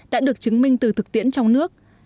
đã được chứng minh từ thực tiễn trong nước